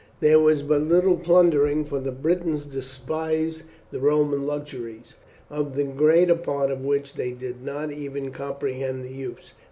There was but little plundering, for the Britons despised the Roman luxuries, of the greater part of which they did not even comprehend the use.